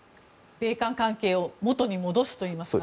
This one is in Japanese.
米韓関係を元に戻すといいますか。